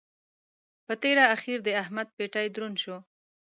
په تېره اخېر د احمد پېټی دروند شو.